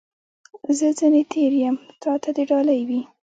زه ځني تېر یم ، تا ته دي ډالۍ وي .